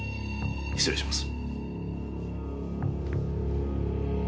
失礼します。